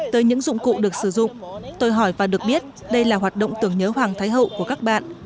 tới những dụng cụ được sử dụng tôi hỏi và được biết đây là hoạt động tưởng nhớ hoàng thái hậu của các bạn